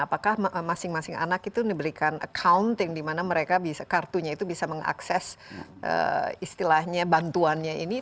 apakah masing masing anak itu diberikan accounting di mana mereka bisa kartunya itu bisa mengakses istilahnya bantuannya ini